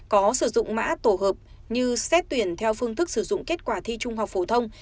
có sử dụng mã tổ hợp như xét tuyển theo phương thức sử dụng kết quả thi trung học phổ thông